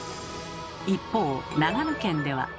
一方長野県では。